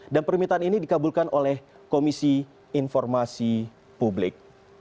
dan permintaan ini dikabulkan oleh komisi informasi publik